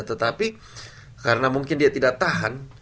tetapi karena mungkin dia tidak tahan